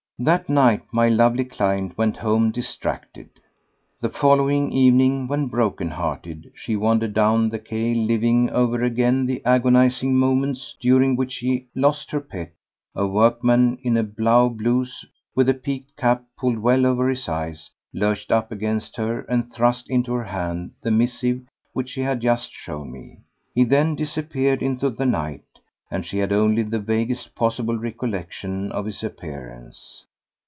That night my lovely client went home distracted. The following evening, when, broken hearted, she wandered down the quays living over again the agonizing moments during which she lost her pet, a workman in a blue blouse, with a peaked cap pulled well over his eyes, lurched up against her and thrust into her hand the missive which she had just shown me. He then disappeared into the night, and she had only the vaguest possible recollection of his appearance.